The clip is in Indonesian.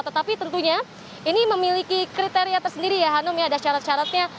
tetapi tentunya ini memiliki kriteria tersendiri ya hanum ya ada syarat syaratnya